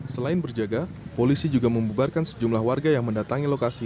selain berjaga polisi juga membubarkan sejumlah warga yang mendatangi lokasi